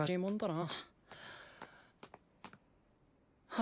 あ。